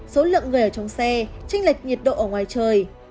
số lượng người ở trong xe tranh lệch nhiệt độ ở ngoài trời